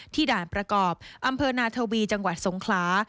ด่านประกอบอำเภอนาทวีจังหวัดสงขลา